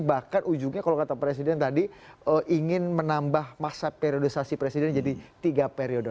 bahkan ujungnya kalau kata presiden tadi ingin menambah masa periodisasi presiden jadi tiga periode